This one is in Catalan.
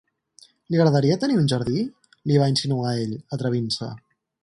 Li agradaria tenir un jardí?—li va insinuar ell, atrevint-se.